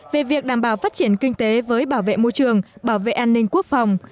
về việc đảm bảo phát triển kinh tế với bảo vệ môi trường bảo vệ an ninh quốc phòng